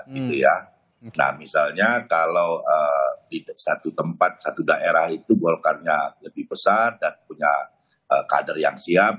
nah misalnya kalau di satu tempat satu daerah itu golkarnya lebih besar dan punya kader yang siap